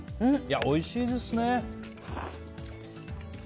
おいしいですね。